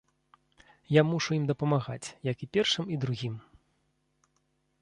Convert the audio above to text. Я мушу ім дапамагаць, як і першым і другім.